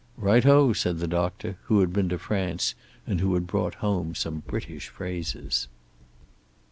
"Right o," said the doctor, who had been to France and had brought home some British phrases.